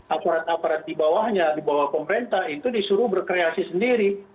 aparat aparat di bawahnya di bawah pemerintah itu disuruh berkreasi sendiri